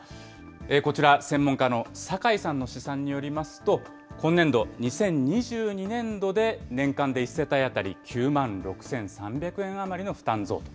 こちら、専門家の酒井さんの試算によりますと、今年度・２０２２年度で、年間で１世帯当たり９万６３００円余りの負担増と。